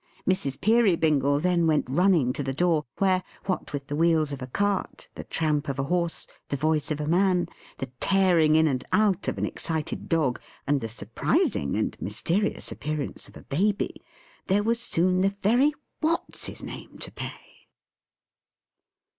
Mrs. Peerybingle then went running to the door, where, what with the wheels of a cart, the tramp of a horse, the voice of a man, the tearing in and out of an excited dog, and the surprising and mysterious appearance of a Baby, there was soon the very What's his name to pay.